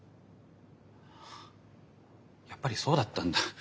やっぱりそうだったんだ。